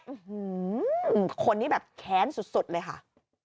อื้อหือคนนี้แบบแค้นสุดเลยค่ะ